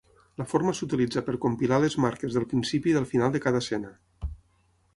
La forma s'utilitza per compilar les marques del principi i del final de cada escena.